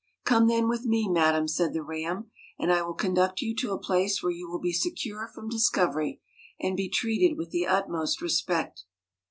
4 Come then with me, madam,' said the Ram, ' and I will conduct you to a place where you will be secure from discovery, and be treated with the utmost respect.'